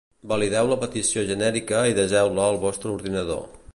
Valideu la petició genèrica i deseu-la al vostre ordinador.